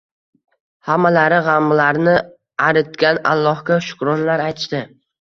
Hammalari g`amlarni aritgan Allohga shukronalar aytishdi